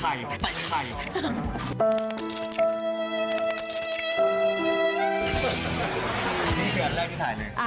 นี่คืออันแรกที่ถ่ายเลย